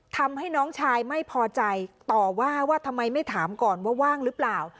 ทำให้น้องชายไม่พอใจต่อว่าว่าทำไมไม่ถามก่อนว่าว่างหรือเปล่า